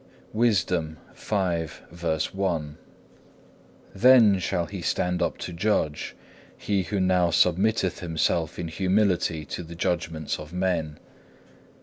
(1) Then shall he stand up to judge, he who now submitteth himself in humility to the judgments of men.